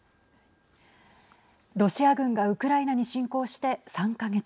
ロシア軍がウクライナに侵攻して３か月。